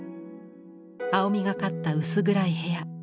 青みがかった薄暗い部屋。